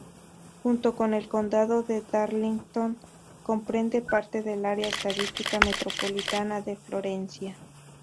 Junto con el Condado de Darlington, comprende parte del área estadística metropolitana de Florencia.